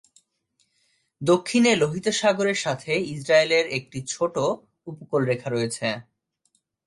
দক্ষিণে লোহিত সাগরের সাথে ইসরায়েলের একটি ছোট উপকূলরেখা রয়েছে।